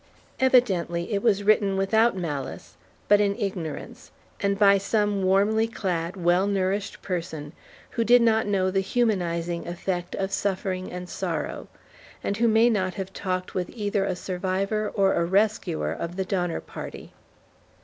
Evidently, it was written without malice, but in ignorance, and by some warmly clad, well nourished person, who did not know the humanizing effect of suffering and sorrow, and who may not have talked with either a survivor or a rescuer of the Donner Party.